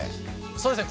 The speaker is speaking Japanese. そうですね。